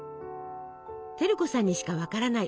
照子さんにしか分からない